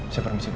saya permisi om